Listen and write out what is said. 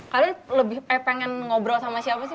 kalian lebih pengen ngobrol sama siapa sih